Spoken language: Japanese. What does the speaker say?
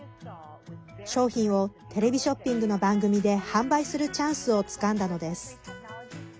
商品をテレビショッピングの番組で販売するチャンスをつかんだのです。